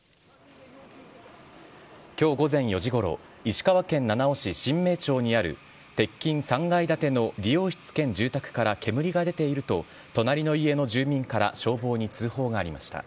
きょう午前４時ごろ、石川県七尾市神明町にある鉄筋３階建ての理容室兼住宅から煙が出ていると、隣の家の住民から消防に通報がありました。